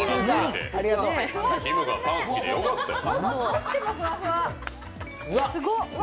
きむがパン好きでよかったよ。